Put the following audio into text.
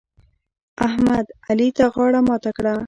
احمد؛ علي ته غاړه ماته کړه.